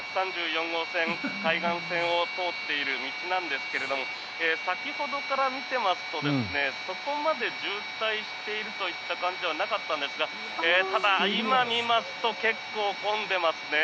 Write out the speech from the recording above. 号線海岸線を通っている道なんですが先ほどから見ていますとそこまで渋滞しているといった感じではなかったんですがただ、今見ますと結構混んでいますね。